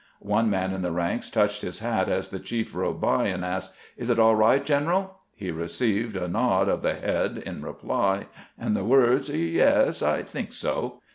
One man in the ranks touched his hat as the chief rode by, and asked, " Is it all right, general ?" He received a nod of the head in reply, and the words, " Yes, I think so."